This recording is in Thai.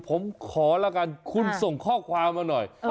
ผมขอละกันคุณส่งข้อความมาหน่อย